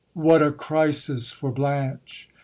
What a crisis for Blanche